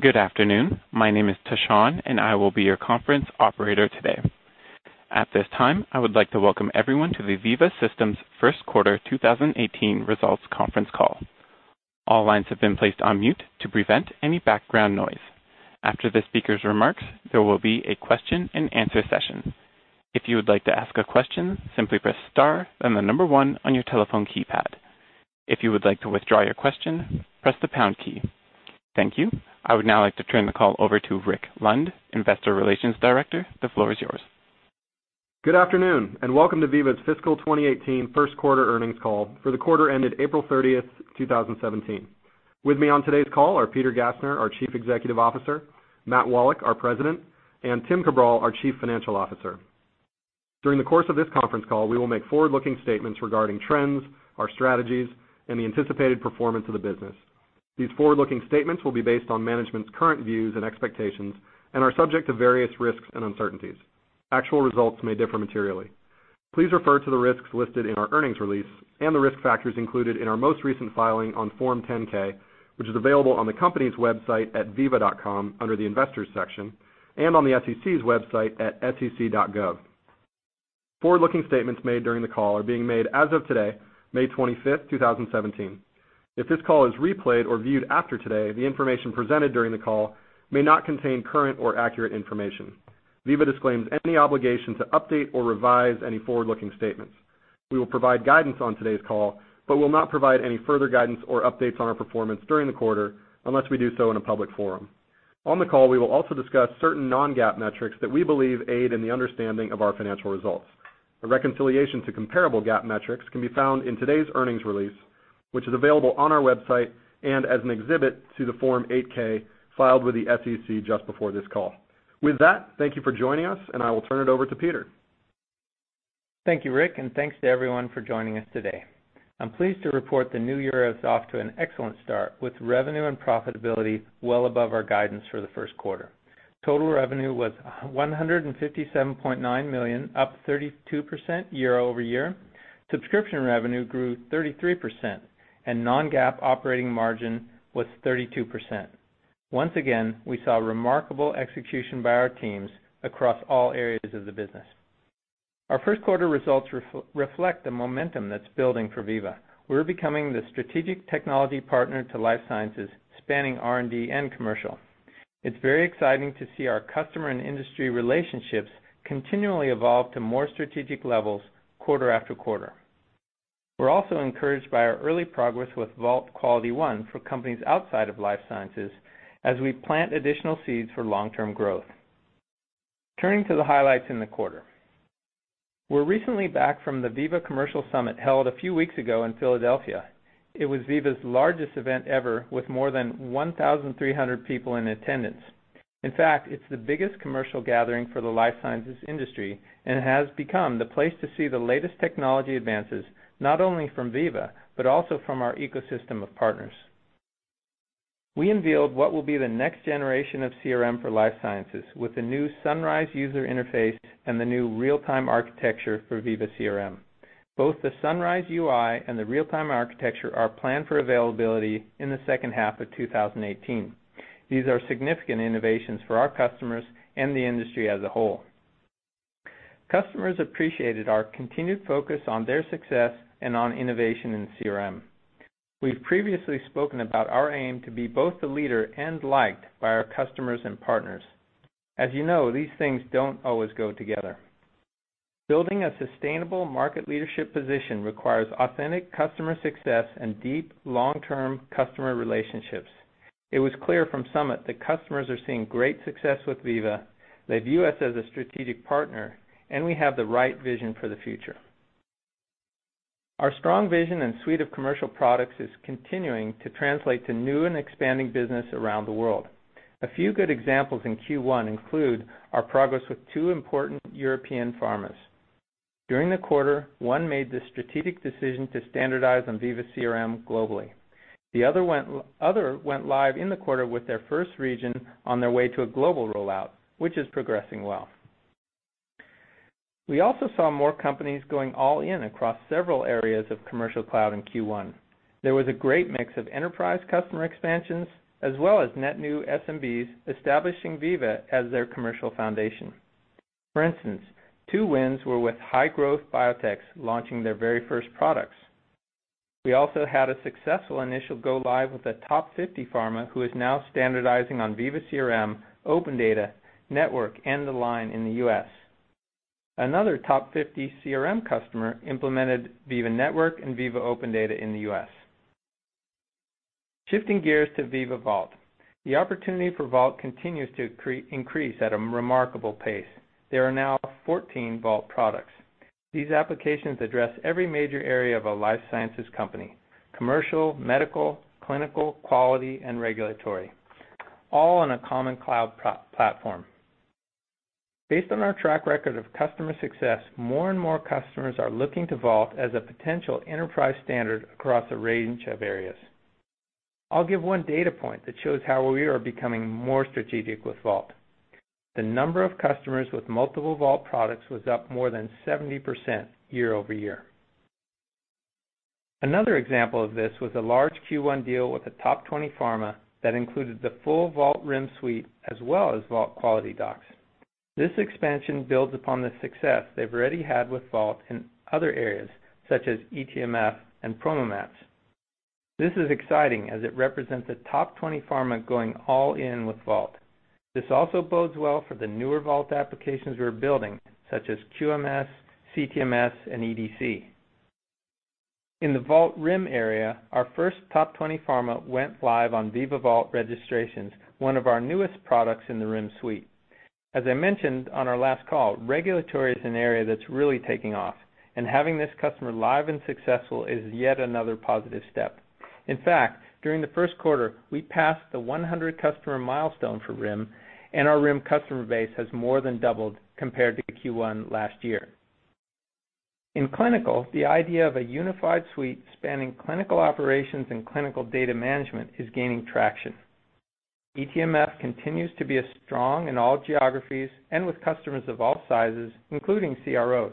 Good afternoon. My name is Tashan, and I will be your conference operator today. At this time, I would like to welcome everyone to the Veeva Systems First Quarter 2018 Results Conference Call. All lines have been placed on mute to prevent any background noise. After the speaker's remarks, there will be a question and answer session. If you would like to ask a question, simply press star, then the number 1 on your telephone keypad. If you would like to withdraw your question, press the pound key. Thank you. I would now like to turn the call over to Rick Lund, Investor Relations Director. The floor is yours. Good afternoon. Welcome to Veeva's fiscal 2018 first quarter earnings call for the quarter ended April 30th, 2017. With me on today's call are Peter Gassner, our Chief Executive Officer, Matt Wallach, our President, and Tim Cabral, our Chief Financial Officer. During the course of this conference call, we will make forward-looking statements regarding trends, our strategies, and the anticipated performance of the business. These forward-looking statements will be based on management's current views and expectations and are subject to various risks and uncertainties. Actual results may differ materially. Please refer to the risks listed in our earnings release and the risk factors included in our most recent filing on Form 10-K, which is available on the company's website at veeva.com under the Investors section and on the SEC's website at sec.gov. Forward-looking statements made during the call are being made as of today, May 25th, 2017. If this call is replayed or viewed after today, the information presented during the call may not contain current or accurate information. Veeva disclaims any obligation to update or revise any forward-looking statements. We will provide guidance on today's call but will not provide any further guidance or updates on our performance during the quarter unless we do so in a public forum. On the call, we will also discuss certain non-GAAP metrics that we believe aid in the understanding of our financial results. A reconciliation to comparable GAAP metrics can be found in today's earnings release, which is available on our website and as an exhibit to the Form 8-K filed with the SEC just before this call. With that, thank you for joining us. I will turn it over to Peter. Thank you, Rick. Thanks to everyone for joining us today. I'm pleased to report the new year is off to an excellent start, with revenue and profitability well above our guidance for the first quarter. Total revenue was $157.9 million, up 32% year-over-year. Subscription revenue grew 33%, and non-GAAP operating margin was 32%. Once again, we saw remarkable execution by our teams across all areas of the business. Our first quarter results reflect the momentum that's building for Veeva. We're becoming the strategic technology partner to life sciences, spanning R&D and commercial. It's very exciting to see our customer and industry relationships continually evolve to more strategic levels quarter after quarter. We're also encouraged by our early progress with Vault QualityOne for companies outside of life sciences as we plant additional seeds for long-term growth. Turning to the highlights in the quarter. We're recently back from the Veeva Commercial Summit held a few weeks ago in Philadelphia. It was Veeva's largest event ever, with more than 1,300 people in attendance. In fact, it's the biggest commercial gathering for the life sciences industry and has become the place to see the latest technology advances, not only from Veeva but also from our ecosystem of partners. We unveiled what will be the next generation of Veeva CRM for life sciences with the new Sunrise user interface and the new real-time architecture for Veeva CRM. Both the Sunrise UI and the real-time architecture are planned for availability in the second half of 2018. These are significant innovations for our customers and the industry as a whole. Customers appreciated our continued focus on their success and on innovation in Veeva CRM. We've previously spoken about our aim to be both a leader and liked by our customers and partners. As you know, these things don't always go together. Building a sustainable market leadership position requires authentic customer success and deep, long-term customer relationships. It was clear from Summit that customers are seeing great success with Veeva, they view us as a strategic partner, and we have the right vision for the future. Our strong vision and suite of commercial products is continuing to translate to new and expanding business around the world. A few good examples in Q1 include our progress with two important European pharmas. During the quarter, one made the strategic decision to standardize on Veeva CRM globally. The other went live in the quarter with their first region on their way to a global rollout, which is progressing well. We also saw more companies going all in across several areas of Veeva Commercial Cloud in Q1. There was a great mix of enterprise customer expansions as well as net new SMBs establishing Veeva as their commercial foundation. For instance, two wins were with high-growth biotechs launching their very first products. We also had a successful initial go live with a top 50 pharma who is now standardizing on Veeva CRM, Veeva OpenData, Veeva Network, and Veeva Align in the U.S. Another top 50 Veeva CRM customer implemented Veeva Network and Veeva OpenData in the U.S. Shifting gears to Veeva Vault. The opportunity for Veeva Vault continues to increase at a remarkable pace. There are now 14 Veeva Vault products. These applications address every major area of a life sciences company: commercial, medical, clinical, quality, and regulatory, all on a common cloud platform. Based on our track record of customer success, more and more customers are looking to Veeva Vault as a potential enterprise standard across a range of areas. I'll give one data point that shows how we are becoming more strategic with Veeva Vault. The number of customers with multiple Veeva Vault products was up more than 70% year-over-year. Another example of this was a large Q1 deal with a top 20 pharma that included the full Vault RIM suite as well as Vault QualityDocs. This expansion builds upon the success they've already had with Veeva Vault in other areas such as Vault eTMF and Vault PromoMats. This is exciting as it represents a top 20 pharma going all in with Veeva Vault. This also bodes well for the newer Veeva Vault applications we're building, such as Vault QMS, Vault CTMS, and Vault EDC. In the Vault RIM area, our first top 20 pharma went live on Veeva Vault Registrations, one of our newest products in the RIM suite. As I mentioned on our last call, regulatory is an area that's really taking off, and having this customer live and successful is yet another positive step. In fact, during the first quarter, we passed the 100 customer milestone for RIM, and our RIM customer base has more than doubled compared to Q1 last year. In clinical, the idea of a unified suite spanning clinical operations and clinical data management is gaining traction. eTMF continues to be strong in all geographies and with customers of all sizes, including CROs.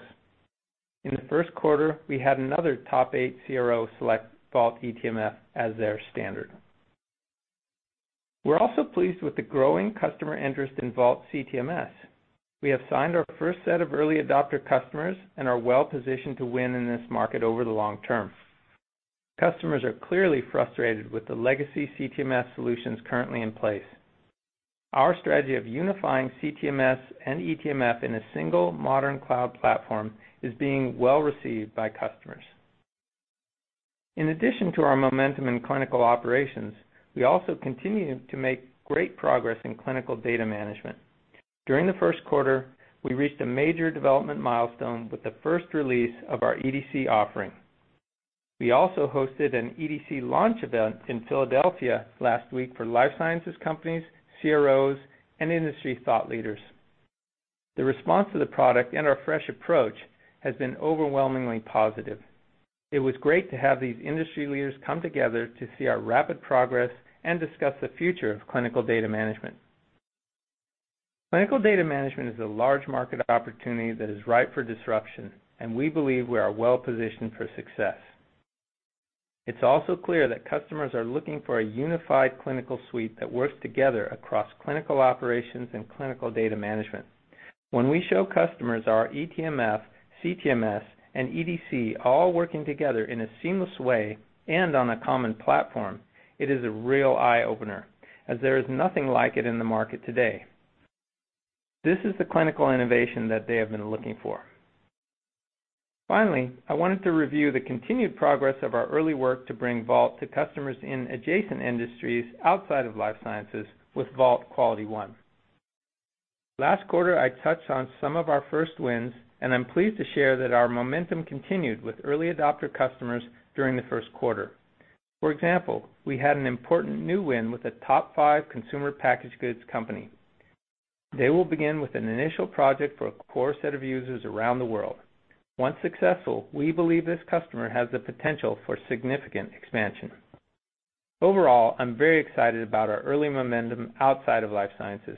In the first quarter, we had another top eight CRO select Vault eTMF as their standard. We're also pleased with the growing customer interest in Vault CTMS. We have signed our first set of early adopter customers and are well-positioned to win in this market over the long term. Customers are clearly frustrated with the legacy CTMS solutions currently in place. Our strategy of unifying CTMS and eTMF in a single modern cloud platform is being well-received by customers. In addition to our momentum in clinical operations, we also continue to make great progress in clinical data management. During the first quarter, we reached a major development milestone with the first release of our EDC offering. We also hosted an EDC launch event in Philadelphia last week for life sciences companies, CROs, and industry thought leaders. The response to the product and our fresh approach has been overwhelmingly positive. It was great to have these industry leaders come together to see our rapid progress and discuss the future of clinical data management. Clinical data management is a large market opportunity that is ripe for disruption. We believe we are well-positioned for success. It's also clear that customers are looking for a unified clinical suite that works together across clinical operations and clinical data management. When we show customers our eTMF, CTMS, and EDC all working together in a seamless way and on a common platform, it is a real eye-opener, as there is nothing like it in the market today. This is the clinical innovation that they have been looking for. Finally, I wanted to review the continued progress of our early work to bring Vault to customers in adjacent industries outside of life sciences with Veeva QualityOne. Last quarter, I touched on some of our first wins. I'm pleased to share that our momentum continued with early adopter customers during the first quarter. For example, we had an important new win with a top five consumer packaged goods company. They will begin with an initial project for a core set of users around the world. Once successful, we believe this customer has the potential for significant expansion. Overall, I'm very excited about our early momentum outside of life sciences.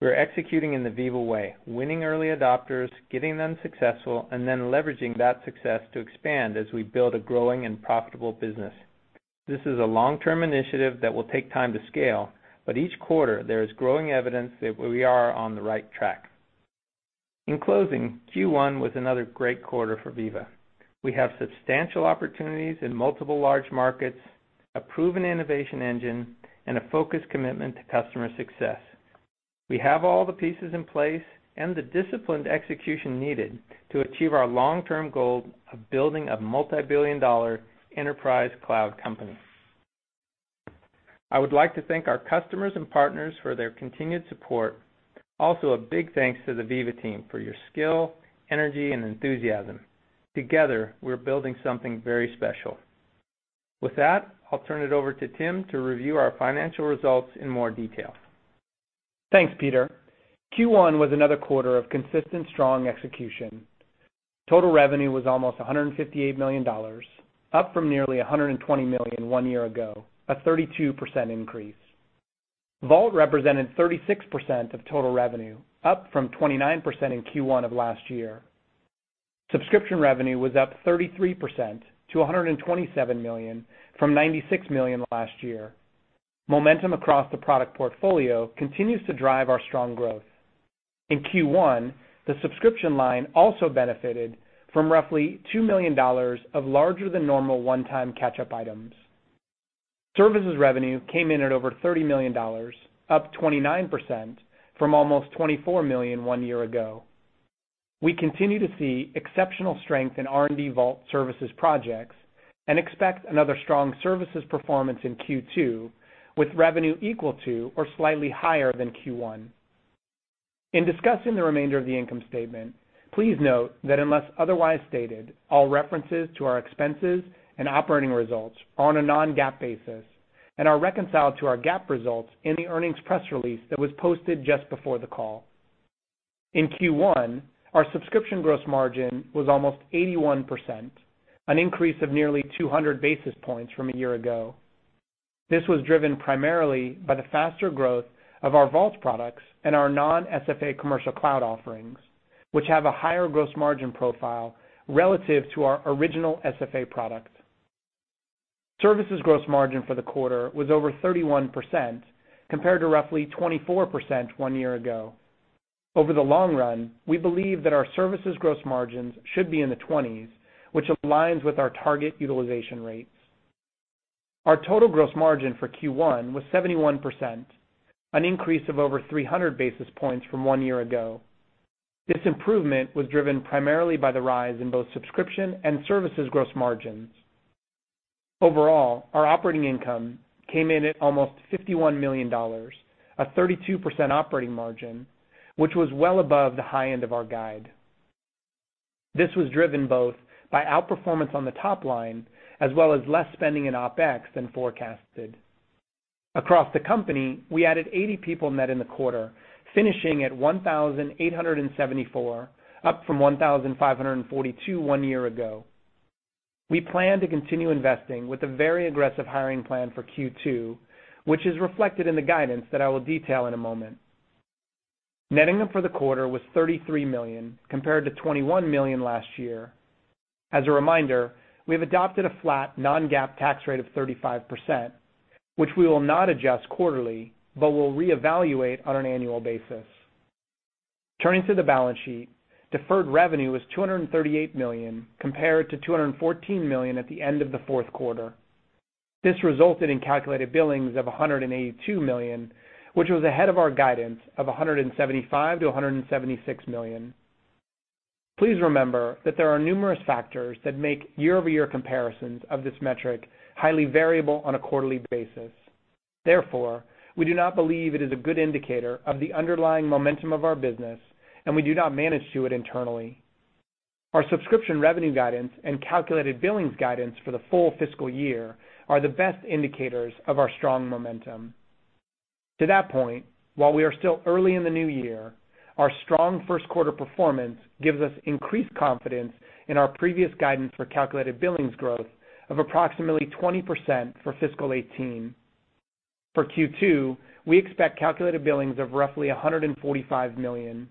We're executing in the Veeva way, winning early adopters, getting them successful, then leveraging that success to expand as we build a growing and profitable business. This is a long-term initiative that will take time to scale. Each quarter there is growing evidence that we are on the right track. In closing, Q1 was another great quarter for Veeva. We have substantial opportunities in multiple large markets, a proven innovation engine, and a focused commitment to customer success. We have all the pieces in place and the disciplined execution needed to achieve our long-term goal of building a multibillion-dollar enterprise cloud company. I would like to thank our customers and partners for their continued support. Also, a big thanks to the Veeva team for your skill, energy, and enthusiasm. Together, we're building something very special. With that, I'll turn it over to Tim to review our financial results in more detail. Thanks, Peter. Q1 was another quarter of consistent, strong execution. Total revenue was almost $158 million, up from nearly $120 million one year ago, a 32% increase. Vault represented 36% of total revenue, up from 29% in Q1 of last year. Subscription revenue was up 33% to $127 million from $96 million last year. Momentum across the product portfolio continues to drive our strong growth. In Q1, the subscription line also benefited from roughly $2 million of larger than normal one-time catch-up items. Services revenue came in at over $30 million, up 29% from almost $24 million one year ago. We continue to see exceptional strength in R&D Vault services projects and expect another strong services performance in Q2 with revenue equal to or slightly higher than Q1. In discussing the remainder of the income statement, please note that unless otherwise stated, all references to our expenses and operating results are on a non-GAAP basis and are reconciled to our GAAP results in the earnings press release that was posted just before the call. In Q1, our subscription gross margin was almost 81%, an increase of nearly 200 basis points from a year ago. This was driven primarily by the faster growth of our Vault products and our non-SFA commercial cloud offerings, which have a higher gross margin profile relative to our original SFA product. Services gross margin for the quarter was over 31%, compared to roughly 24% one year ago. Over the long run, we believe that our services gross margins should be in the 20s, which aligns with our target utilization rates. Our total gross margin for Q1 was 71%, an increase of over 300 basis points from one year ago. This improvement was driven primarily by the rise in both subscription and services gross margins. Overall, our operating income came in at almost $51 million, a 32% operating margin, which was well above the high end of our guide. This was driven both by outperformance on the top line, as well as less spending in OpEx than forecasted. Across the company, we added 80 people net in the quarter, finishing at 1,874, up from 1,542 one year ago. We plan to continue investing with a very aggressive hiring plan for Q2, which is reflected in the guidance that I will detail in a moment. Net income for the quarter was $33 million, compared to $21 million last year. As a reminder, we have adopted a flat non-GAAP tax rate of 35%, which we will not adjust quarterly, but will reevaluate on an annual basis. Turning to the balance sheet, deferred revenue was $238 million, compared to $214 million at the end of the fourth quarter. This resulted in calculated billings of $182 million, which was ahead of our guidance of $175 million-$176 million. Please remember that there are numerous factors that make year-over-year comparisons of this metric highly variable on a quarterly basis. Therefore, we do not believe it is a good indicator of the underlying momentum of our business, and we do not manage to it internally. Our subscription revenue guidance and calculated billings guidance for the full fiscal year are the best indicators of our strong momentum. To that point, while we are still early in the new year, our strong first quarter performance gives us increased confidence in our previous guidance for calculated billings growth of approximately 20% for fiscal 2018. For Q2, we expect calculated billings of roughly $145 million.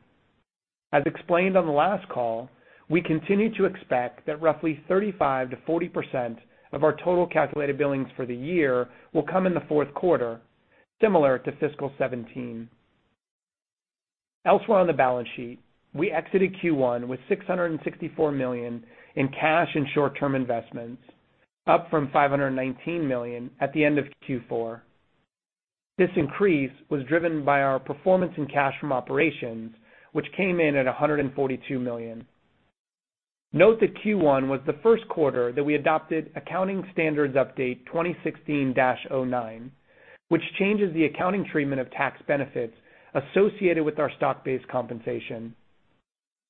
As explained on the last call, we continue to expect that roughly 35%-40% of our total calculated billings for the year will come in the fourth quarter, similar to fiscal 2017. Elsewhere on the balance sheet, we exited Q1 with $664 million in cash and short-term investments, up from $519 million at the end of Q4. This increase was driven by our performance in cash from operations, which came in at $142 million. Note that Q1 was the first quarter that we adopted Accounting Standards Update 2016-09, which changes the accounting treatment of tax benefits associated with our stock-based compensation.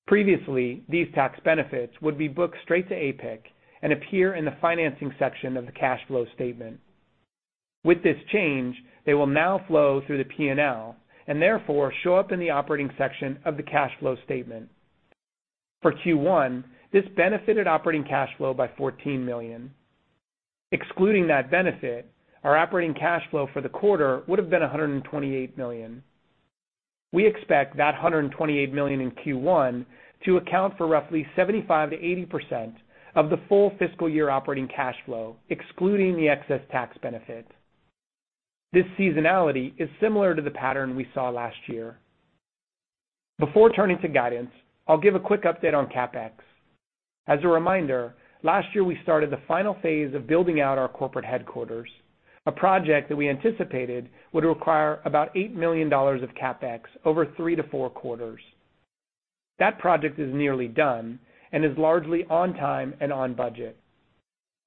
Previously, these tax benefits would be booked straight to APIC and appear in the financing section of the cash flow statement. With this change, they will now flow through the P&L and therefore show up in the operating section of the cash flow statement. For Q1, this benefited operating cash flow by $14 million. Excluding that benefit, our operating cash flow for the quarter would've been $128 million. We expect that $128 million in Q1 to account for roughly 75%-80% of the full fiscal year operating cash flow, excluding the excess tax benefit. This seasonality is similar to the pattern we saw last year. Before turning to guidance, I'll give a quick update on CapEx. As a reminder, last year we started the final phase of building out our corporate headquarters, a project that we anticipated would require about $8 million of CapEx over three to four quarters. That project is nearly done and is largely on time and on budget.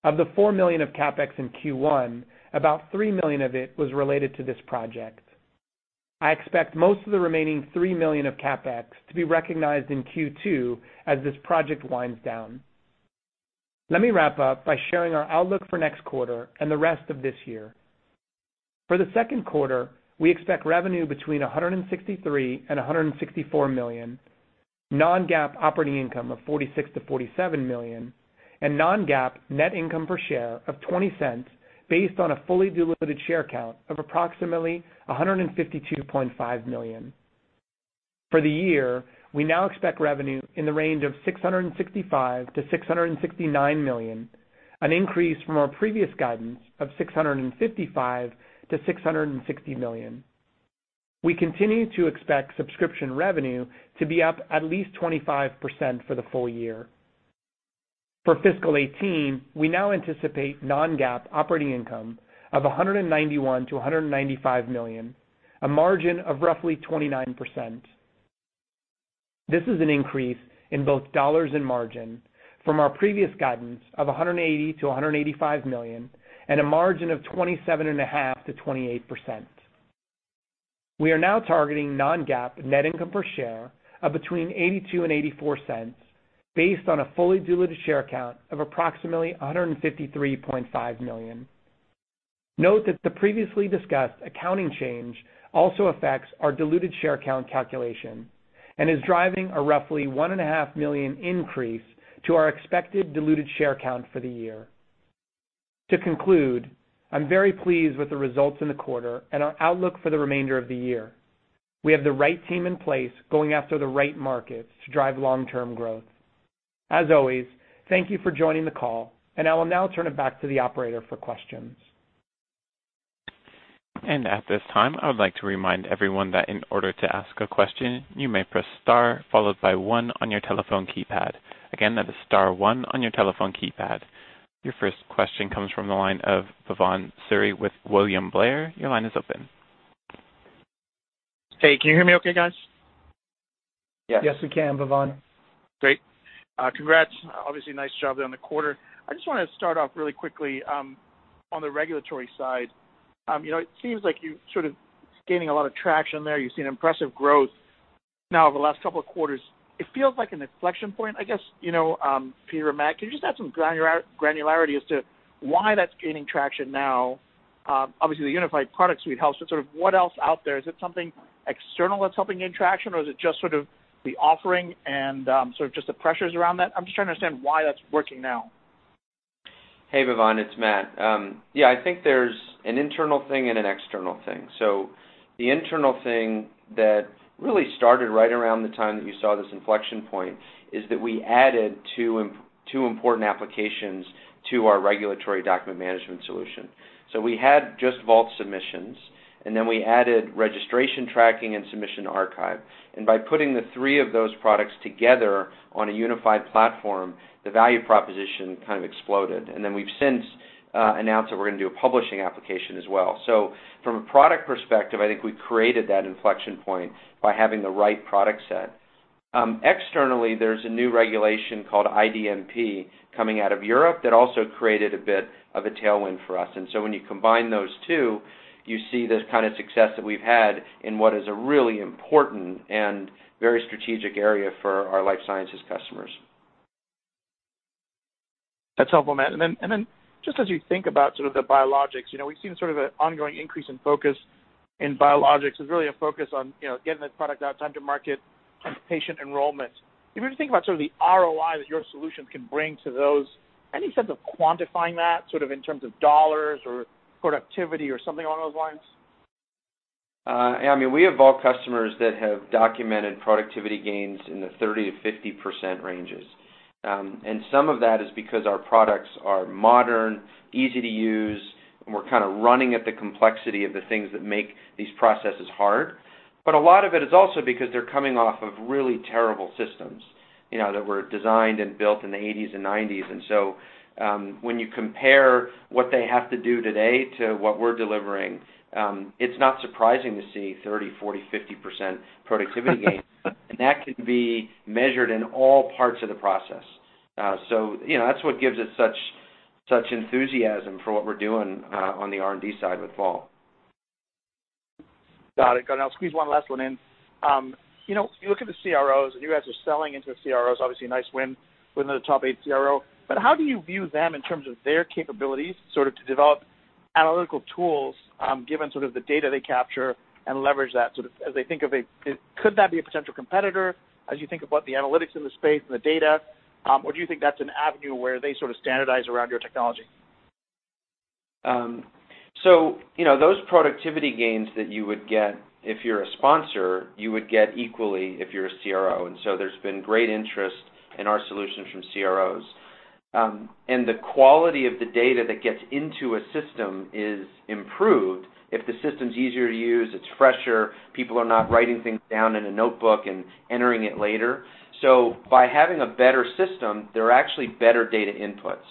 Of the $4 million of CapEx in Q1, about $3 million of it was related to this project. I expect most of the remaining $3 million of CapEx to be recognized in Q2 as this project winds down. Let me wrap up by sharing our outlook for next quarter and the rest of this year. For the second quarter, we expect revenue between $163 million-$164 million, non-GAAP operating income of $46 million-$47 million, and non-GAAP net income per share of $0.20 based on a fully diluted share count of approximately 152.5 million. For the year, we now expect revenue in the range of $665 million-$669 million, an increase from our previous guidance of $655 million-$660 million. We continue to expect subscription revenue to be up at least 25% for the full year. For fiscal 2018, we now anticipate non-GAAP operating income of $191 million-$195 million, a margin of roughly 29%. This is an increase in both dollars and margin from our previous guidance of $180 million-$185 million, and a margin of 27.5%-28%. We are now targeting non-GAAP net income per share of between $0.82 and $0.84 based on a fully diluted share count of approximately 153.5 million. Note that the previously discussed accounting change also affects our diluted share count calculation. is driving a roughly 1.5 million increase to our expected diluted share count for the year. To conclude, I am very pleased with the results in the quarter and our outlook for the remainder of the year. We have the right team in place going after the right markets to drive long-term growth. As always, thank you for joining the call, I will now turn it back to the operator for questions. At this time, I would like to remind everyone that in order to ask a question, you may press star followed by one on your telephone keypad. Again, that is star one on your telephone keypad. Your first question comes from the line of Bhavan Suri with William Blair. Your line is open. Hey, can you hear me okay, guys? Yes. Yes, we can, Bhavan. Great. Congrats. Obviously nice job there on the quarter. I just want to start off really quickly on the regulatory side. It seems like you're sort of gaining a lot of traction there. You've seen impressive growth now over the last couple of quarters. It feels like an inflection point, I guess. Peter or Matt, can you just add some granularity as to why that's gaining traction now? Obviously, the unified product suite helps, but what else out there? Is it something external that's helping gain traction, or is it just sort of the offering and just the pressures around that? I'm just trying to understand why that's working now. Hey, Bhavan, it's Matt. Yeah, I think there's an internal thing and an external thing. The internal thing that really started right around the time that you saw this inflection point is that we added two important applications to our regulatory document management solution. We had just Vault Submissions, and then we added Registration Tracking and Submission Archive. By putting the three of those products together on a unified platform, the value proposition kind of exploded. We've since announced that we're going to do a publishing application as well. From a product perspective, I think we created that inflection point by having the right product set. Externally, there's a new regulation called IDMP coming out of Europe that also created a bit of a tailwind for us. When you combine those two, you see this kind of success that we've had in what is a really important and very strategic area for our life sciences customers. That's helpful, Matt. Just as you think about the biologics, we've seen sort of an ongoing increase in focus in biologics. There's really a focus on getting the product out, time to market, time to patient enrollment. If you think about the ROI that your solutions can bring to those, any sense of quantifying that in terms of dollars or productivity or something along those lines? We have Vault customers that have documented productivity gains in the 30%-50% ranges. Some of that is because our products are modern, easy to use, and we're kind of running at the complexity of the things that make these processes hard. A lot of it is also because they're coming off of really terrible systems that were designed and built in the '80s and '90s. When you compare what they have to do today to what we're delivering, it's not surprising to see 30%, 40%, 50% productivity gains. That can be measured in all parts of the process. That's what gives us such enthusiasm for what we're doing on the R&D side with Vault. Got it. I'll squeeze one last one in. You look at the CROs and you guys are selling into the CROs, obviously a nice win within the top eight CRO. How do you view them in terms of their capabilities to develop analytical tools given the data they capture and leverage that as they think of a Could that be a potential competitor as you think about the analytics in the space and the data? Do you think that's an avenue where they standardize around your technology? Those productivity gains that you would get if you're a sponsor, you would get equally if you're a CRO. There's been great interest in our solutions from CROs. The quality of the data that gets into a system is improved if the system's easier to use, it's fresher, people are not writing things down in a notebook and entering it later. By having a better system, there are actually better data inputs.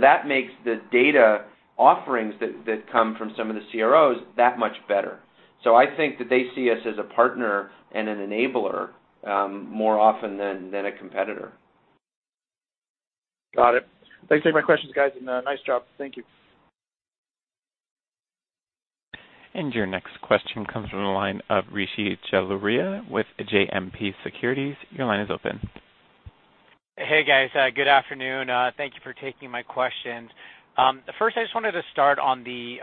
That makes the data offerings that come from some of the CROs that much better. I think that they see us as a partner and an enabler more often than a competitor. Got it. Thanks for taking my questions, guys, and nice job. Thank you. Your next question comes from the line of Rishi Jaluria with JMP Securities. Your line is open. Hey, guys. Good afternoon. Thank you for taking my questions. First I just wanted to start on the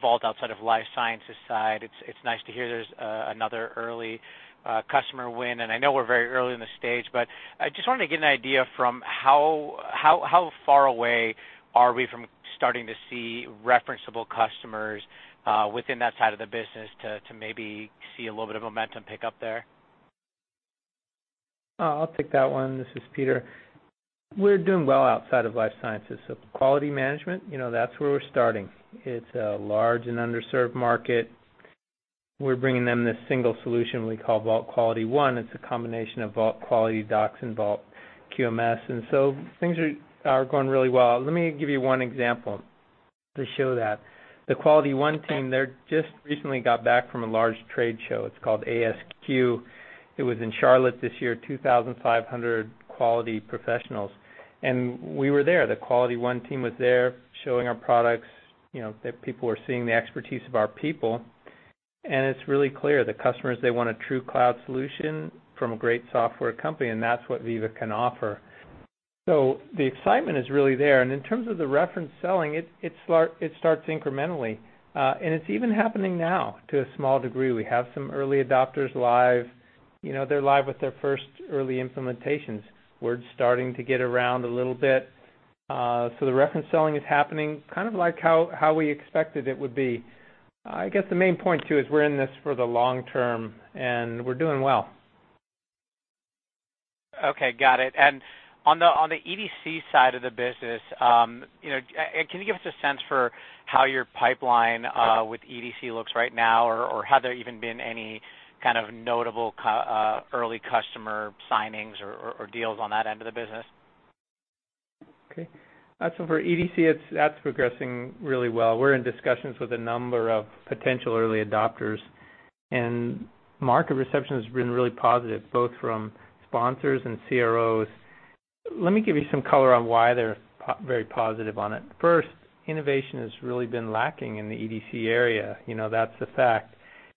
Vault outside of life sciences side. It's nice to hear there's another early customer win, and I know we're very early in the stage, but I just wanted to get an idea from how far away are we from starting to see referenceable customers within that side of the business to maybe see a little bit of momentum pick up there? I'll take that one. This is Peter. We're doing well outside of life sciences. Quality management, that's where we're starting. It's a large and underserved market. We're bringing them this single solution we call Vault QualityOne. It's a combination of Vault QualityDocs and Vault QMS. Things are going really well. Let me give you one example to show that. The QualityOne team there just recently got back from a large trade show. It's called ASQ. It was in Charlotte this year, 2,500 quality professionals. We were there. The QualityOne team was there showing our products, that people were seeing the expertise of our people. It's really clear. The customers, they want a true cloud solution from a great software company, and that's what Veeva can offer. The excitement is really there. In terms of the reference selling, it starts incrementally. It's even happening now to a small degree. We have some early adopters live. They're live with their first early implementations. We're starting to get around a little bit. The reference selling is happening, kind of like how we expected it would be. I guess the main point, too, is we're in this for the long term, and we're doing well. Okay. Got it. On the EDC side of the business, can you give us a sense for how your pipeline with EDC looks right now? Had there even been any kind of notable early customer signings or deals on that end of the business? Okay. For EDC, that's progressing really well. We're in discussions with a number of potential early adopters. Market reception has been really positive, both from sponsors and CROs. Let me give you some color on why they're very positive on it. First, innovation has really been lacking in the EDC area. That's a fact.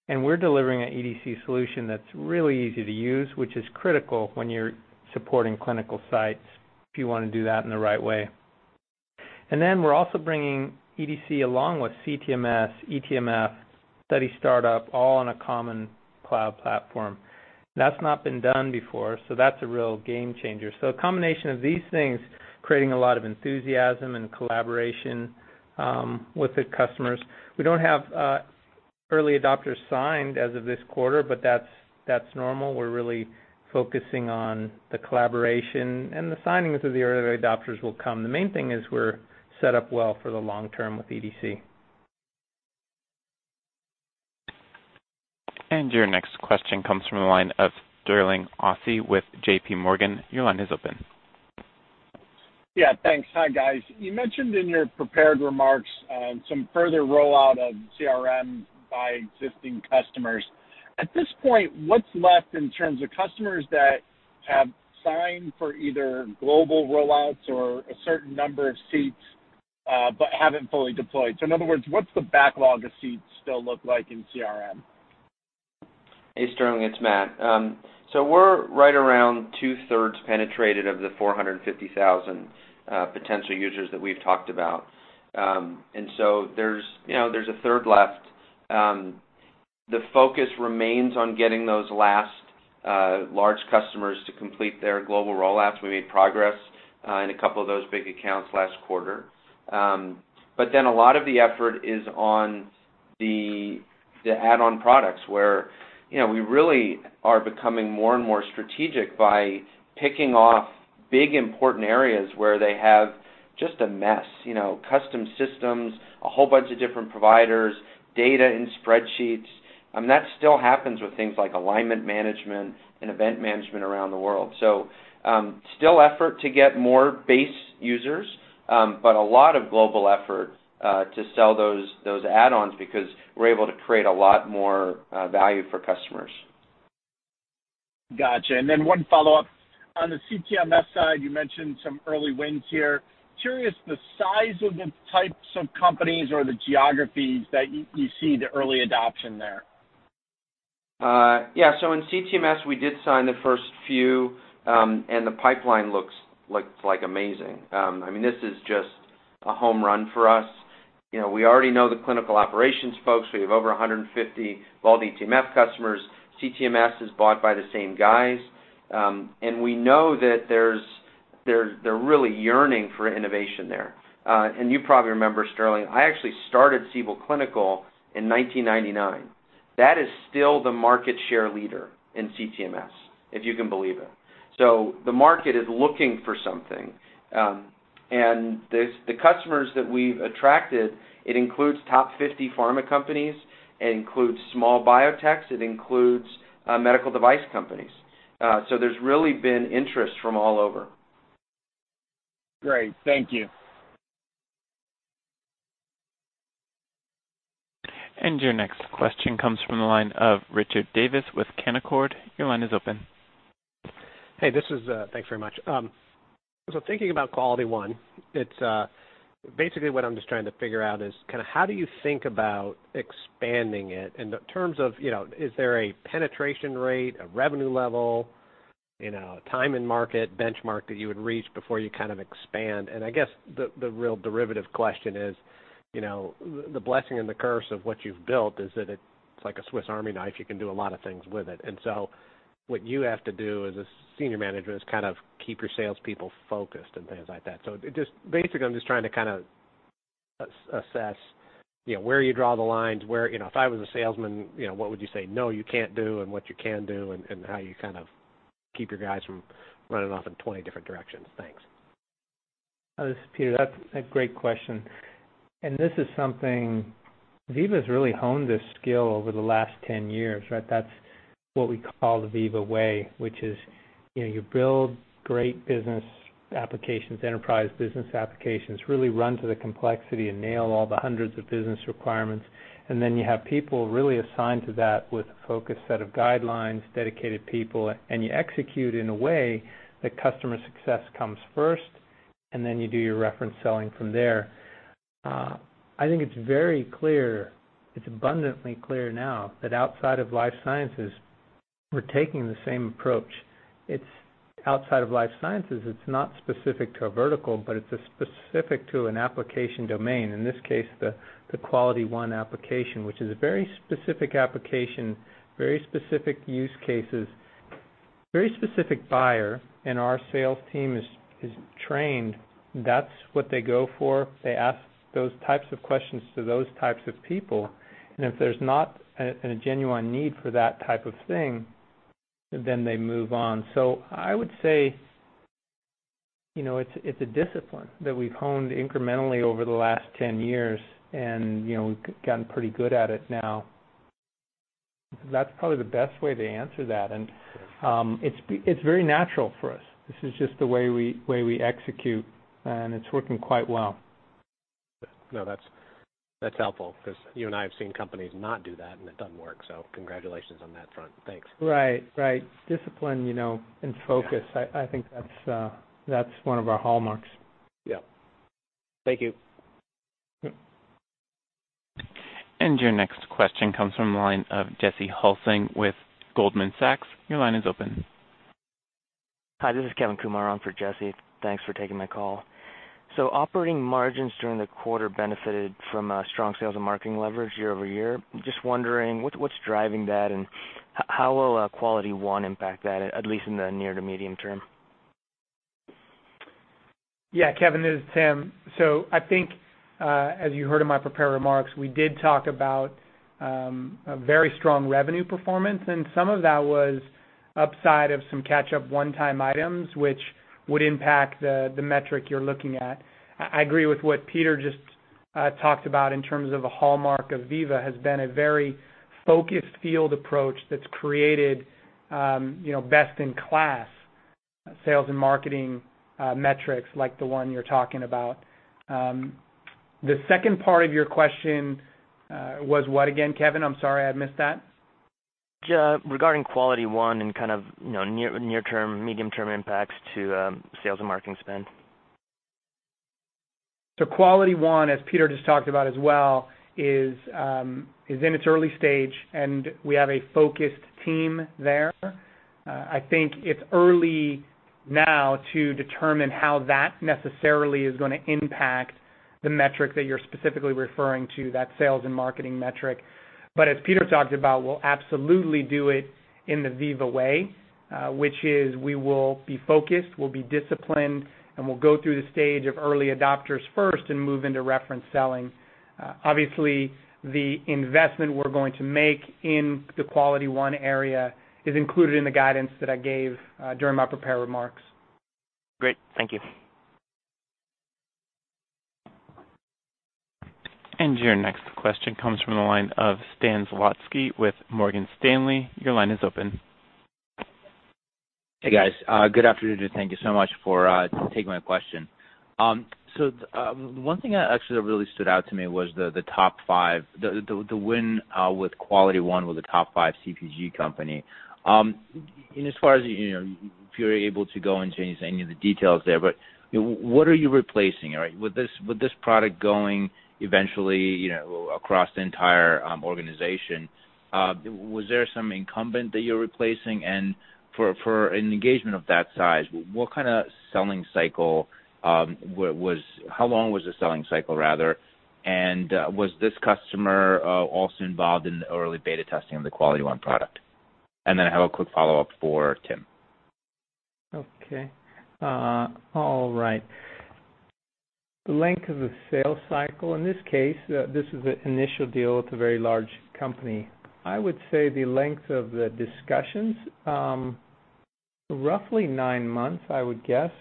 We're delivering an EDC solution that's really easy to use, which is critical when you're supporting clinical sites if you want to do that in the right way. Then we're also bringing EDC along with CTMS, eTMF, study startup, all on a common cloud platform. That's not been done before, so that's a real game changer. A combination of these things, creating a lot of enthusiasm and collaboration with the customers. We don't have early adopters signed as of this quarter, but that's normal. We're really focusing on the collaboration. The signings of the early adopters will come. The main thing is we're set up well for the long term with EDC. Your next question comes from the line of Sterling Auty with JPMorgan. Your line is open. Yeah, thanks. Hi, guys. You mentioned in your prepared remarks some further rollout of Veeva CRM by existing customers. At this point, what's left in terms of customers that have signed for either global rollouts or a certain number of seats, but haven't fully deployed? In other words, what's the backlog of seats still look like in Veeva CRM? Hey, Sterling, it's Matt. We're right around two-thirds penetrated of the 450,000 potential users that we've talked about. There's a third left. The focus remains on getting those last large customers to complete their global rollouts. We made progress in a couple of those big accounts last quarter. A lot of the effort is on the add-on products, where we really are becoming more and more strategic by picking off big, important areas where they have just a mess. Custom systems, a whole bunch of different providers, data in spreadsheets. That still happens with things like alignment management and event management around the world. Still effort to get more base users. A lot of global effort to sell those add-ons because we're able to create a lot more value for customers. Got you. One follow-up. On the Vault CTMS side, you mentioned some early wins here. Curious the size of the types of companies or the geographies that you see the early adoption there. Yeah. In CTMS, we did sign the first few, the pipeline looks amazing. This is just a home run for us. We already know the clinical operations folks. We have over 150 Vault eTMF customers. CTMS is bought by the same guys. We know that they're really yearning for innovation there. You probably remember, Sterling, I actually started Siebel Clinical in 1999. That is still the market share leader in CTMS, if you can believe it. The market is looking for something. The customers that we've attracted, it includes top 50 pharma companies. It includes small biotechs, it includes medical device companies. There's really been interest from all over. Great. Thank you. Your next question comes from the line of Richard Davis with Canaccord. Your line is open. Hey, thanks very much. Thinking about QualityOne, basically what I'm just trying to figure out is kind of how do you think about expanding it in the terms of, is there a penetration rate, a revenue level, time in market benchmark that you would reach before you kind of expand? I guess the real derivative question is, the blessing and the curse of what you've built is that it's like a Swiss army knife. You can do a lot of things with it. What you have to do as a senior manager is kind of keep your salespeople focused and things like that. Basically, I'm just trying to kind of assess where you draw the lines. If I was a salesman, what would you say, "No, you can't do," and what you can do, and how you kind of keep your guys from running off in 20 different directions. Thanks. This is Peter. That's a great question. Veeva's really honed this skill over the last 10 years. That's what we call the Veeva way, which is, you build great business applications, enterprise business applications, really run to the complexity and nail all the hundreds of business requirements. Then you have people really assigned to that with a focused set of guidelines, dedicated people, and you execute in a way that customer success comes first, and then you do your reference selling from there. I think it's abundantly clear now that outside of life sciences, we're taking the same approach. It's outside of life sciences. It's not specific to a vertical, but it's specific to an application domain. In this case, the QualityOne application, which is a very specific application, very specific use cases, very specific buyer, and our sales team is trained. That's what they go for. They ask those types of questions to those types of people. If there's not a genuine need for that type of thing, then they move on. I would say it's a discipline that we've honed incrementally over the last 10 years, and we've gotten pretty good at it now. That's probably the best way to answer that. It's very natural for us. This is just the way we execute, and it's working quite well. No, that's helpful because you and I have seen companies not do that. It doesn't work. Congratulations on that front. Thanks. Right. Discipline and focus. Yeah. I think that's one of our hallmarks. Yeah. Thank you. Yep. Your next question comes from the line of Jesse Hulsing with Goldman Sachs. Your line is open. Hi, this is Kevin Kumar on for Jesse. Thanks for taking my call. Operating margins during the quarter benefited from strong sales and marketing leverage year-over-year. Just wondering what is driving that and how will QualityOne impact that, at least in the near to medium term? Kevin, this is Tim. I think, as you heard in my prepared remarks, we did talk about a very strong revenue performance, and some of that was upside of some catch-up one-time items, which would impact the metric you are looking at. I agree with what Peter just talked about in terms of a hallmark of Veeva has been a very focused field approach that has created best-in-class sales and marketing metrics like the one you are talking about. The second part of your question was what again, Kevin? I am sorry, I missed that. Just regarding QualityOne and kind of near term, medium term impacts to sales and marketing spend. QualityOne, as Peter just talked about as well, is in its early stage, and we have a focused team there. I think it is early now to determine how that necessarily is going to impact the metric that you are specifically referring to, that sales and marketing metric. As Peter talked about, we will absolutely do it in the Veeva way, which is we will be focused, we will be disciplined, and we will go through the stage of early adopters first and move into reference selling. Obviously, the investment we are going to make in the QualityOne area is included in the guidance that I gave during my prepared remarks. Great. Thank you. Your next question comes from the line of Stan Zlotsky with Morgan Stanley. Your line is open. Hey, guys. Good afternoon. Thank you so much for taking my question. One thing that really stood out to me was the top five, the win with QualityOne with a top five CPG company. As far as if you're able to go into any of the details there, but what are you replacing? With this product going eventually across the entire organization, was there some incumbent that you're replacing? For an engagement of that size, what kind of selling cycle How long was the selling cycle, rather? Was this customer also involved in the early beta testing of the QualityOne product? I have a quick follow-up for Tim. Okay. All right. The length of the sales cycle, in this case, this is an initial deal with a very large company. I would say the length of the discussions, roughly nine months, I would guess,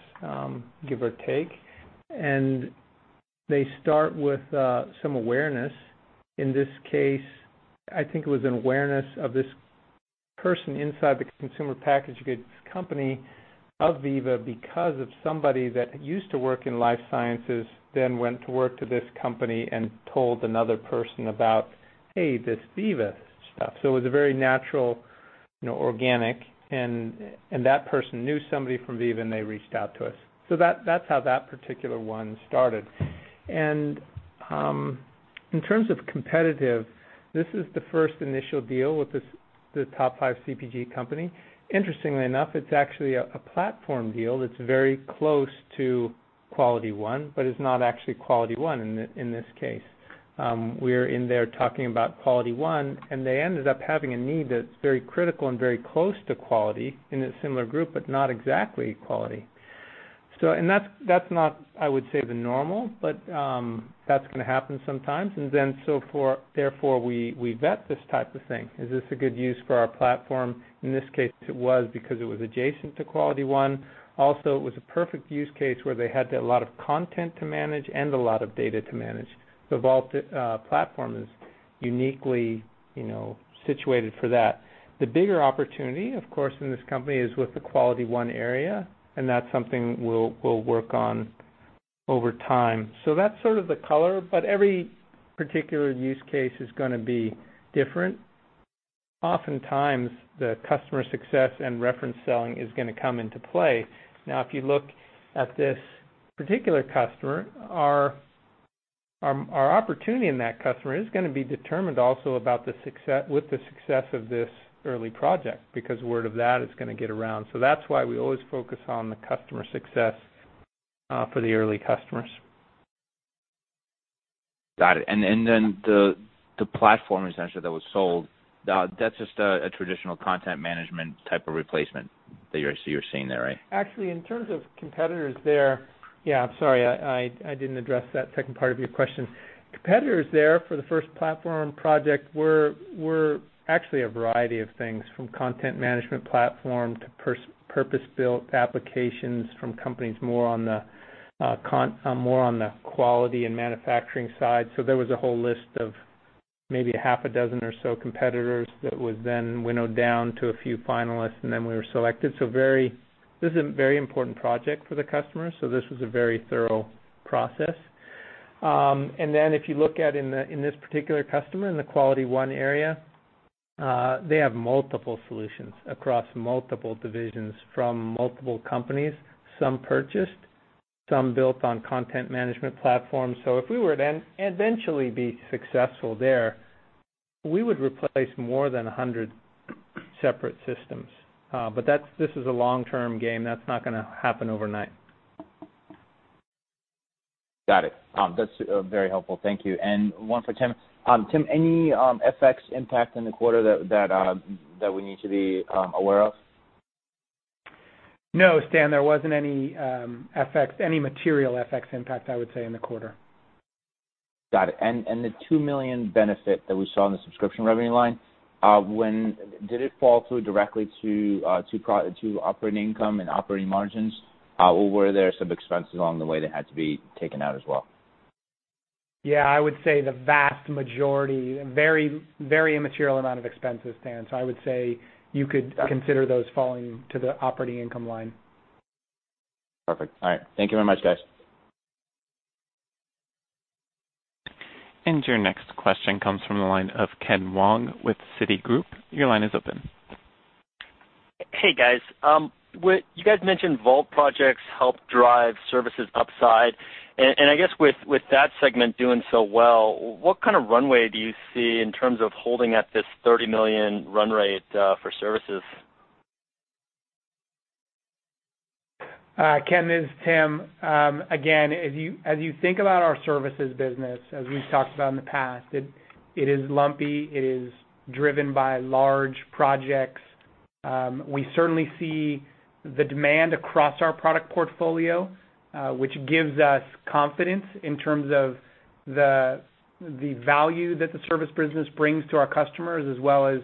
give or take. They start with some awareness. In this case, I think it was an awareness of this person inside the consumer packaged goods company of Veeva because of somebody that used to work in life sciences, then went to work to this company and told another person about, "Hey, this Veeva stuff." It was a very natural, organic, and that person knew somebody from Veeva, and they reached out to us. That's how that particular one started. In terms of competitive, this is the first initial deal with the top five CPG company. Interestingly enough, it's actually a platform deal that's very close to QualityOne, but is not actually QualityOne in this case. We're in there talking about QualityOne, they ended up having a need that's very critical and very close to Quality in a similar group, but not exactly Quality. That's not, I would say, the normal, but that's going to happen sometimes. Therefore, we vet this type of thing. Is this a good use for our platform? In this case, it was because it was adjacent to QualityOne. It was a perfect use case where they had a lot of content to manage and a lot of data to manage. The Vault platform is uniquely situated for that. The bigger opportunity, of course, in this company is with the QualityOne area, that's something we'll work on over time. That's sort of the color, but every particular use case is gonna be different. Oftentimes, the customer success and reference selling is gonna come into play. Now, if you look at this particular customer, Our opportunity in that customer is going to be determined also with the success of this early project, because word of that is going to get around. That's why we always focus on the customer success for the early customers. Got it. The platform, essentially, that was sold, that's just a traditional content management type of replacement that you're seeing there, right? Actually, in terms of competitors there Yeah, I'm sorry, I didn't address that second part of your question. Competitors there for the first platform project were actually a variety of things, from content management platform to purpose-built applications from companies more on the quality and manufacturing side. There was a whole list of maybe half a dozen or so competitors that was then winnowed down to a few finalists, we were selected. This is a very important project for the customer, so this was a very thorough process. If you look at in this particular customer, in the QualityOne area, they have multiple solutions across multiple divisions from multiple companies, some purchased, some built on content management platforms. If we were to eventually be successful there, we would replace more than 100 separate systems. This is a long-term game. That's not going to happen overnight. Got it. That's very helpful. Thank you. One for Tim. Tim, any FX impact in the quarter that we need to be aware of? No, Stan, there wasn't any material FX impact, I would say, in the quarter. Got it. The $2 million benefit that we saw in the subscription revenue line, did it fall through directly to operating income and operating margins? Or were there some expenses along the way that had to be taken out as well? Yeah, I would say the vast majority, very immaterial amount of expenses, Stan. I would say you could consider those falling to the operating income line. Perfect. All right. Thank you very much, guys. Your next question comes from the line of Ken Wong with Citigroup. Your line is open. Hey, guys. You guys mentioned Vault projects help drive services upside. I guess with that segment doing so well, what kind of runway do you see in terms of holding at this $30 million run rate for services? Ken, this is Tim. As you think about our services business, as we've talked about in the past, it is lumpy. It is driven by large projects. We certainly see the demand across our product portfolio, which gives us confidence in terms of the value that the service business brings to our customers, as well as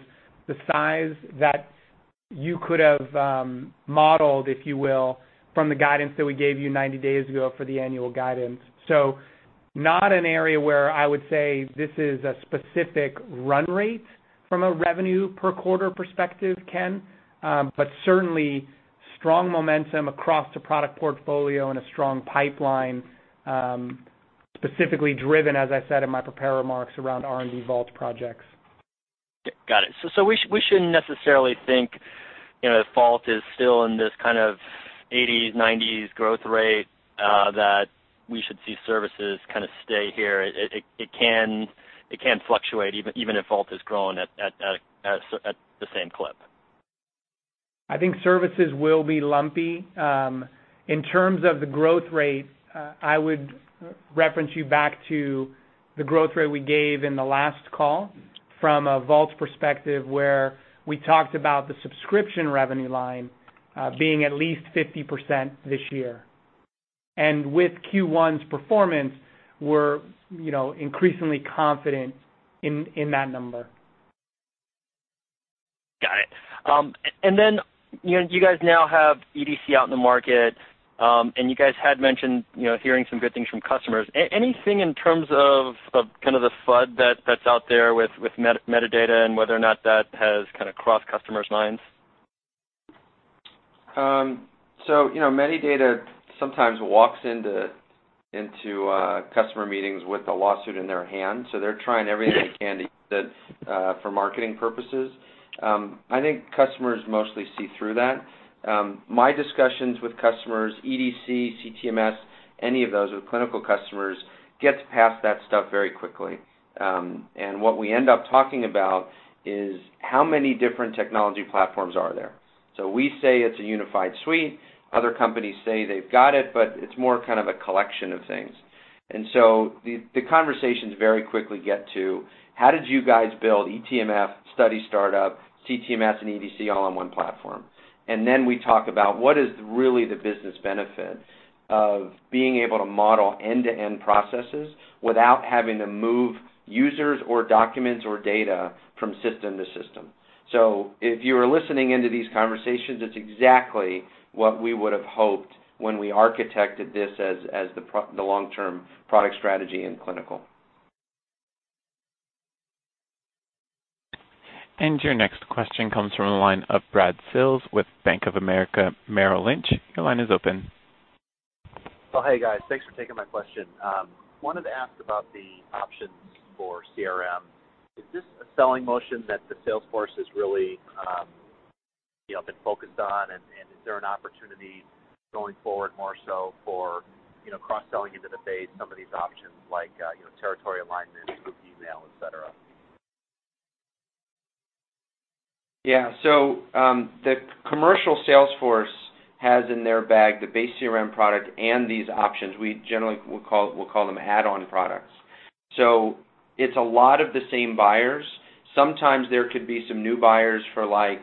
the size that you could have modeled, if you will, from the guidance that we gave you 90 days ago for the annual guidance. Not an area where I would say this is a specific run rate from a revenue per quarter perspective, Ken, but certainly strong momentum across the product portfolio and a strong pipeline, specifically driven, as I said in my prepared remarks, around R&D Vault projects. Got it. We shouldn't necessarily think, Vault is still in this kind of 80s, 90s growth rate, that we should see services kind of stay here. It can fluctuate even if Vault is growing at the same clip. I think services will be lumpy. In terms of the growth rate, I would reference you back to the growth rate we gave in the last call from a Vault perspective, where we talked about the subscription revenue line being at least 50% this year. With Q1's performance, we're increasingly confident in that number. Got it. Then you guys now have Vault EDC out in the market, and you guys had mentioned hearing some good things from customers. Anything in terms of kind of the FUD that's out there with Medidata and whether or not that has kind of crossed customers' minds? Medidata sometimes walks into customer meetings with a lawsuit in their hand. They're trying everything they can to use it for marketing purposes. I think customers mostly see through that. My discussions with customers, EDC, CTMS, any of those with clinical customers, gets past that stuff very quickly. What we end up talking about is how many different technology platforms are there. We say it's a unified suite. Other companies say they've got it, but it's more kind of a collection of things. The conversations very quickly get to, how did you guys build Vault eTMF, Vault Study Startup, Vault CTMS, and Vault EDC all on one platform? Then we talk about what is really the business benefit of being able to model end-to-end processes without having to move users or documents or data from system to system. If you are listening into these conversations, it's exactly what we would have hoped when we architected this as the long-term product strategy in clinical. Your next question comes from the line of Brad Sills with Bank of America Merrill Lynch. Your line is open. Hey guys, thanks for taking my question. Wanted to ask about the options for Veeva CRM. Is this a selling motion that the sales force has, you know, been focused on, and is there an opportunity going forward more so for cross-selling into the base some of these options like, Veeva Align, group email, et cetera? Yeah. The commercial sales force has in their bag the base CRM product and these options. We generally will call them add-on products. It's a lot of the same buyers. Sometimes there could be some new buyers for like,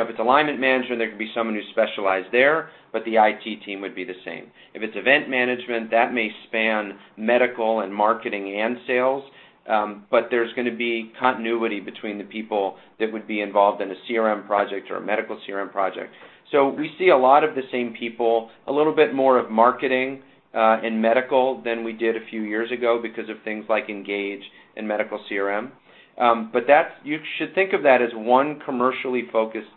if it's alignment management, there could be someone who specialized there, but the IT team would be the same. If it's event management, that may span medical and marketing and sales, but there's going to be continuity between the people that would be involved in a CRM project or a medical CRM project. We see a lot of the same people, a little bit more of marketing, and medical than we did a few years ago because of things like Engage and medical CRM. You should think of that as one commercially focused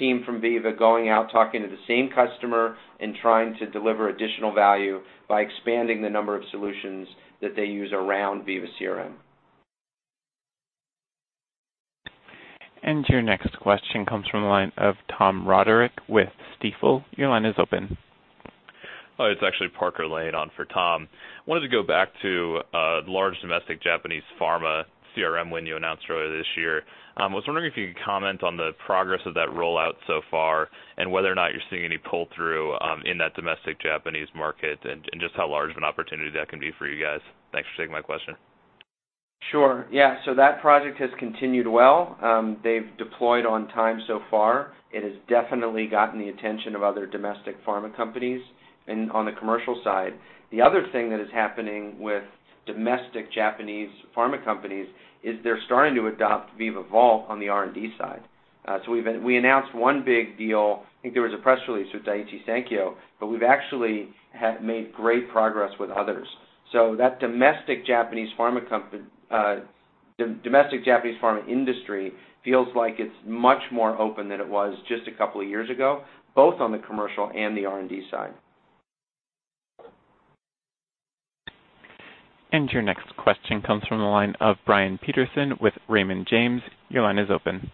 team from Veeva going out, talking to the same customer and trying to deliver additional value by expanding the number of solutions that they use around Veeva CRM. Your next question comes from the line of Tom Roderick with Stifel. Your line is open. It's actually Parker Lane on for Tom. Wanted to go back to large domestic Japanese pharma CRM win you announced earlier this year. I was wondering if you could comment on the progress of that rollout so far, and whether or not you're seeing any pull-through in that domestic Japanese market, and just how large of an opportunity that can be for you guys. Thanks for taking my question. Yeah. That project has continued well. They've deployed on time so far. It has definitely gotten the attention of other domestic pharma companies and on the commercial side. The other thing that is happening with domestic Japanese pharma companies is they're starting to adopt Veeva Vault on the R&D side. We announced one big deal, I think there was a press release with Daiichi Sankyo, but we've actually made great progress with others. That domestic Japanese pharma industry feels like it's much more open than it was just a couple of years ago, both on the commercial and the R&D side. Your next question comes from the line of Brian Peterson with Raymond James. Your line is open.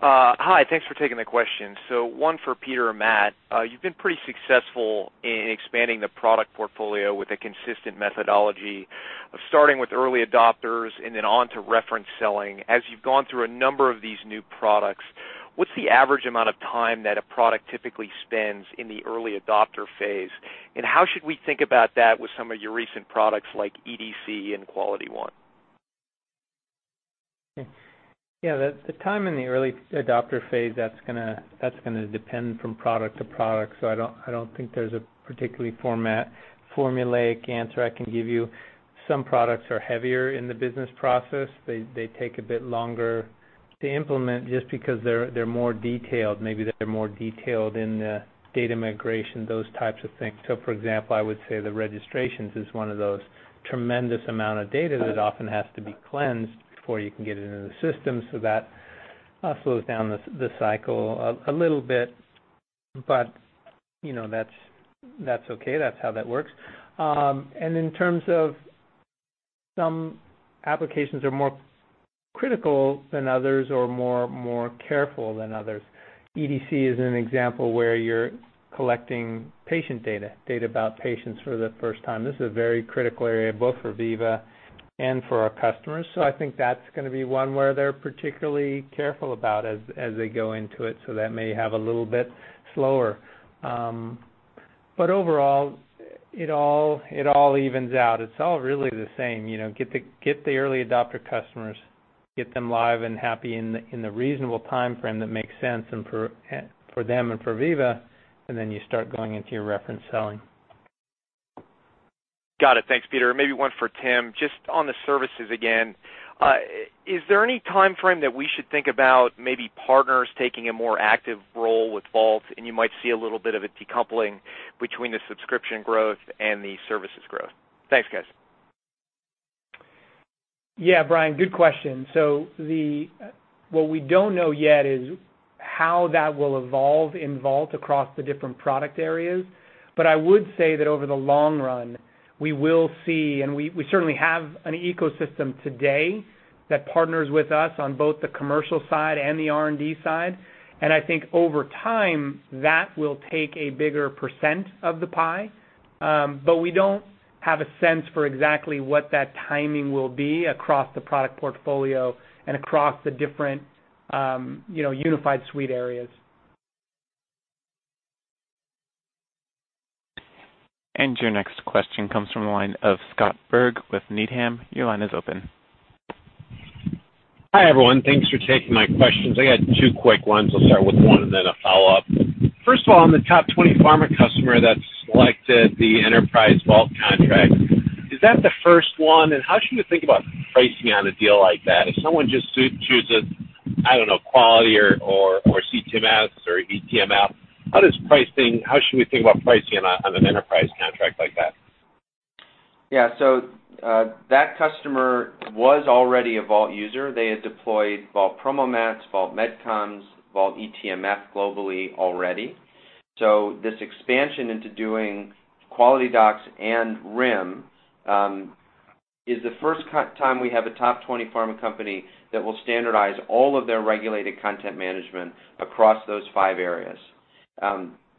Hi. Thanks for taking the question. One for Peter or Matt. You've been pretty successful in expanding the product portfolio with a consistent methodology of starting with early adopters and then on to reference selling. As you've gone through a number of these new products, what's the average amount of time that a product typically spends in the early adopter phase, and how should we think about that with some of your recent products like EDC and QualityOne? Yeah. The time in the early adopter phase, that's going to depend from product to product, so I don't think there's a particularly formulaic answer I can give you. Some products are heavier in the business process. They take a bit longer to implement just because they're more detailed. Maybe they're more detailed in the data migration, those types of things. For example, I would say the registrations is one of those tremendous amount of data that often has to be cleansed before you can get it into the system, so that slows down the cycle a little bit, but that's okay. That's how that works. In terms of some applications are more critical than others or more careful than others. EDC is an example where you're collecting patient data about patients for the first time. This is a very critical area both for Veeva and for our customers. I think that's going to be one where they're particularly careful about as they go into it, so that may have a little bit slower. Overall, it all evens out. It's all really the same. Get the early adopter customers, get them live and happy in the reasonable timeframe that makes sense and for them and for Veeva, you start going into your reference selling. Got it. Thanks, Peter. Maybe one for Tim, just on the services again. Is there any timeframe that we should think about maybe partners taking a more active role with Vault and you might see a little bit of a decoupling between the subscription growth and the services growth? Thanks, guys. Yeah, Brian, good question. What we don't know yet is how that will evolve in Vault across the different product areas. I would say that over the long run, we will see, and we certainly have an ecosystem today that partners with us on both the commercial side and the R&D side, I think over time, that will take a bigger % of the pie. We don't have a sense for exactly what that timing will be across the product portfolio and across the different unified suite areas. Your next question comes from the line of Scott Berg with Needham. Your line is open. Hi, everyone. Thanks for taking my questions. I got two quick ones. I will start with one and then a follow-up. First of all, on the top 20 pharma customer that selected the enterprise Vault contract, is that the first one, and how should we think about pricing on a deal like that? If someone just chooses, I don't know, Quality or CTMS or eTMF, how should we think about pricing on an enterprise contract like that? Yeah. That customer was already a Vault user. They had deployed Vault PromoMats, Vault MedComms, Vault eTMF globally already. This expansion into doing QualityDocs and RIM is the first time we have a top 20 pharma company that will standardize all of their regulated content management across those five areas.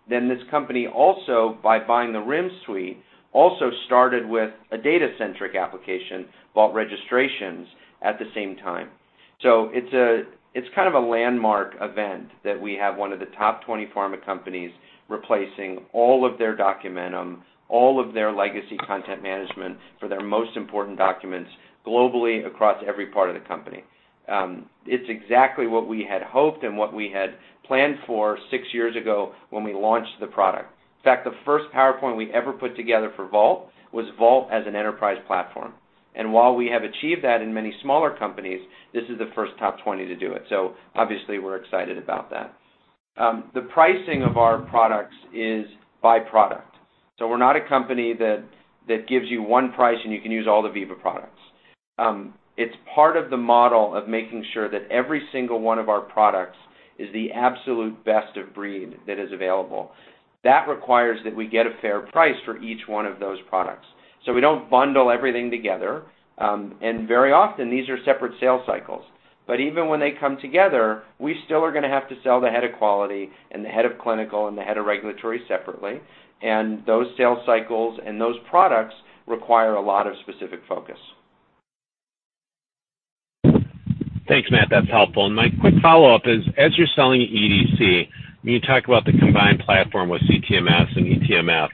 This company also, by buying the RIM suite, also started with a data-centric application, Vault Registrations, at the same time. It's a landmark event that we have one of the top 20 pharma companies replacing all of their Documentum, all of their legacy content management for their most important documents globally across every part of the company. It's exactly what we had hoped and what we had planned for six years ago when we launched the product. In fact, the first PowerPoint we ever put together for Vault was Vault as an enterprise platform. While we have achieved that in many smaller companies, this is the first top 20 to do it. Obviously we're excited about that. The pricing of our products is by product. We're not a company that gives you one price, and you can use all the Veeva products. It's part of the model of making sure that every single one of our products is the absolute best of breed that is available. That requires that we get a fair price for each one of those products. We don't bundle everything together, and very often these are separate sales cycles. Even when they come together, we still are going to have to sell the head of quality and the head of clinical and the head of regulatory separately. Those sales cycles and those products require a lot of specific focus. Thanks, Matt. That's helpful. My quick follow-up is, as you're selling EDC, when you talk about the combined platform with CTMS and eTMF,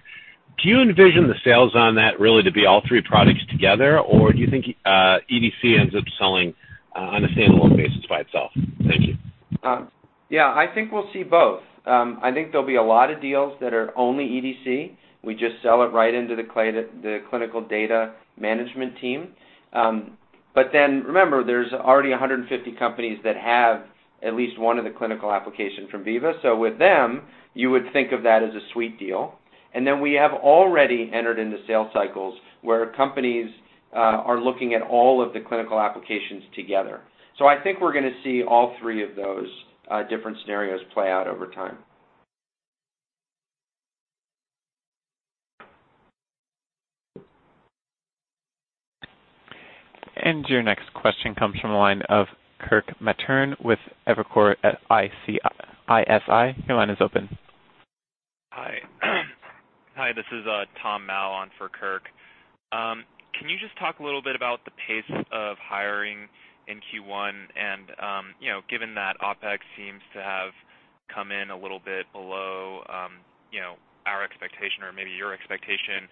do you envision the sales on that really to be all three products together, or do you think EDC ends up selling on a stand-alone basis by itself? Thank you. I think we'll see both. I think there'll be a lot of deals that are only EDC. We just sell it right into the clinical data management team. Remember, there's already 150 companies that have at least one of the clinical application from Veeva. With them, you would think of that as a suite deal. We have already entered into sales cycles where companies are looking at all of the clinical applications together. I think we're going to see all three of those different scenarios play out over time. Your next question comes from the line of Kirk Materne with Evercore ISI. Your line is open. Hi, this is Tom Mao on for Kirk. Can you just talk a little bit about the pace of hiring in Q1, given that OpEx seems to have come in a little bit below our expectation or maybe your expectation,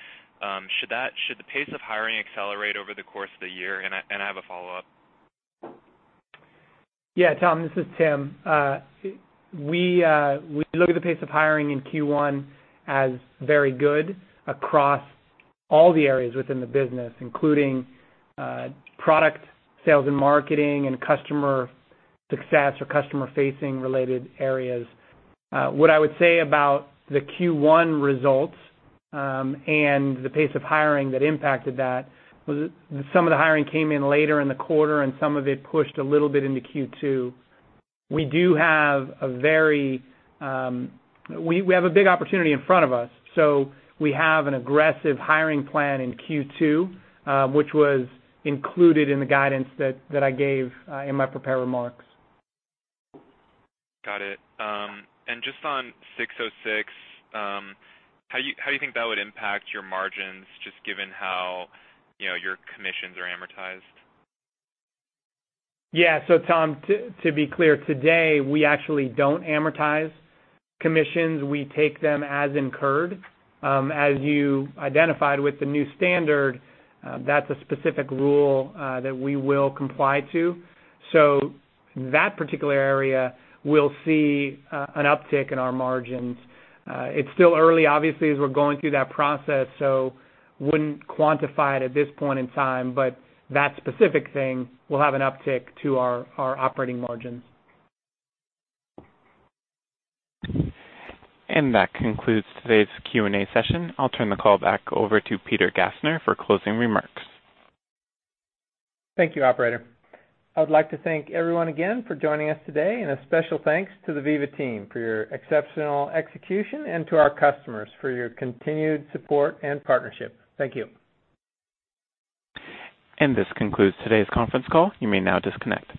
should the pace of hiring accelerate over the course of the year? I have a follow-up. Tom, this is Tim. We look at the pace of hiring in Q1 as very good across all the areas within the business, including product sales and marketing and customer success or customer-facing related areas. What I would say about the Q1 results, and the pace of hiring that impacted that, was that some of the hiring came in later in the quarter and some of it pushed a little bit into Q2. We have a big opportunity in front of us, we have an aggressive hiring plan in Q2, which was included in the guidance that I gave in my prepared remarks. Got it. Just on ASC 606, how do you think that would impact your margins, just given how your commissions are amortized? Yeah. So Tom, to be clear, today, we actually don't amortize commissions. We take them as incurred. As you identified with the new standard, that's a specific rule that we will comply to. That particular area will see an uptick in our margins. It's still early, obviously, as we're going through that process, wouldn't quantify it at this point in time, but that specific thing will have an uptick to our operating margins. That concludes today's Q&A session. I'll turn the call back over to Peter Gassner for closing remarks. Thank you, operator. I would like to thank everyone again for joining us today, and a special thanks to the Veeva team for your exceptional execution and to our customers for your continued support and partnership. Thank you. This concludes today's conference call. You may now disconnect.